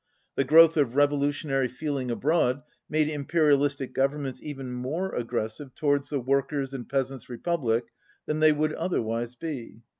The growth of revolutionary feeling abroad made imperialistic governments even more aggressive towards the Workers' and Peasants' Republic than they would otherwise be.